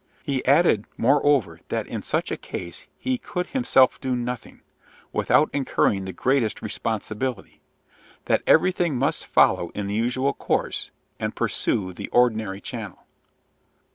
He added, moreover, that in such a case he could himself do nothing, without incurring the greatest responsibility; that everything must follow in the usual course, and pursue the ordinary channel.